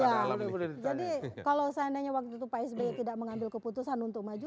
jadi kalau seandainya waktu itu pak sby tidak mengambil keputusan untuk maju